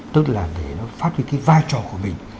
tức là để nó phát huy cái vai trò của mình